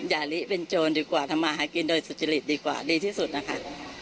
อย่าลิเป็นโจรดีกว่าทำมาหากินโดยสุจริตดีกว่าดีที่สุดนะคะ